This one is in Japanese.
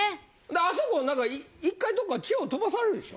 あそこ何か１回どっか地方飛ばされるでしょ？